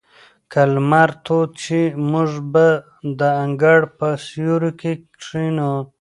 که لمر تود شي، موږ به د انګړ په سیوري کې کښېنو.